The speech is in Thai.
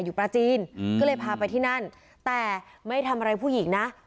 อยู่ปราจีนอืมก็เลยพาไปที่นั่นแต่ไม่ได้ทำอะไรผู้หญิงนะครับ